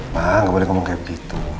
ma gak boleh ngomong kayak begitu